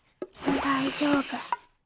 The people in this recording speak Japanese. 大丈夫。